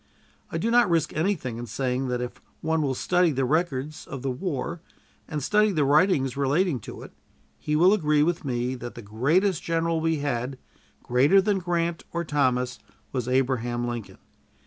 I do not risk anything in saying that if one will study the records of the war and study the writings relating to it, he will agree with me that the greatest general we had, greater than Grant or Thomas, was Abraham Lincoln.